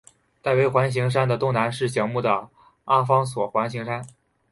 戴维环形山的东南是醒目的阿方索环形山。